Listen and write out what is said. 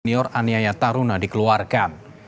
senior ania ya taruna dikeluarkan